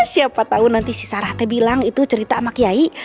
siapa tahu nanti si sarahnya bilang itu cerita sama kiai